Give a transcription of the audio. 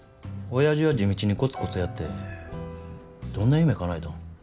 おやじは地道にコツコツやってどんな夢かなえたん。